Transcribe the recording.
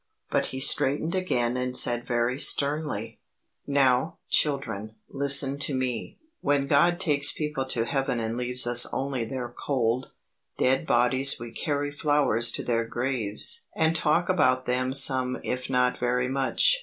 But he straightened again and said very sternly: "Now, children, listen to me. When God takes people to heaven and leaves us only their cold, dead bodies we carry flowers to their graves and talk about them some if not very much.